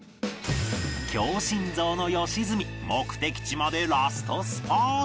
強心臓の良純目的地までラストスパート